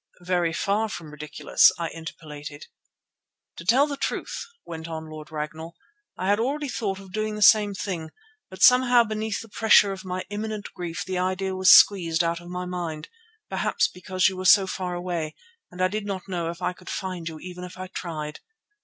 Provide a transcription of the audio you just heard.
"Very far from ridiculous," I interpolated. "To tell the truth," went on Lord Ragnall, "I had already thought of doing the same thing, but somehow beneath the pressure of my imminent grief the idea was squeezed out of my mind, perhaps because you were so far away and I did not know if I could find you even if I tried.